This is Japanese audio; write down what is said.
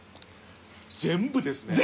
全部ですね。